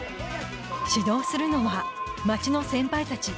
指導するのは町の先輩たち